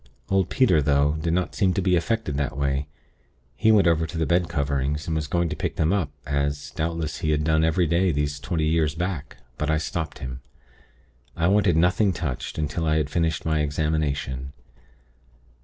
Old Peter, though, did not seem to be affected that way. He went over to the bed coverings, and was going to pick them up, as, doubtless, he had done every day these twenty years back; but I stopped him. I wanted nothing touched, until I had finished my examination.